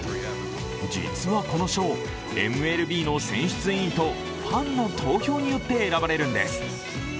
実はこの賞、ＭＬＢの選出委員とファンの投票によって選ばれるんです。